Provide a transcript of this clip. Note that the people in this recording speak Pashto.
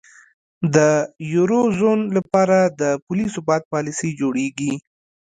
د یورو زون لپاره د پولي ثبات پالیسۍ جوړیږي.